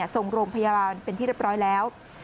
ส่งโรงพยาบาลเป็นที่เรียบร้อยแล้ว